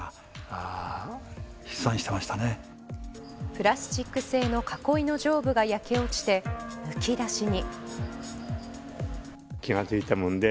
プラスチック製の囲いの上部が焼け落ちて、むき出しに。